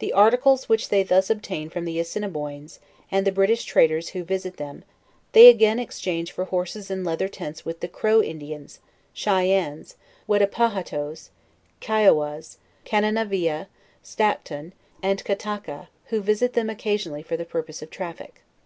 The articles which they thus obtain from the Assinniboins, and the British traders who visit them, they again exchange for horses and leather tents with the Crow Indians, Chyen nes, Wetcpahatoes, Kiawae, Kanenavieh, Stacton, and Ca t aka, who visit them occasionally for the purpose of traffic.